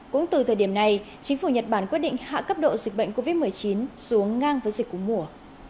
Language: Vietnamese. cũng từ thời điểm này chính phủ nhật bản quyết định hạ cấp độ dịch bệnh covid một mươi chín xuống ngang với dịch cúng mùa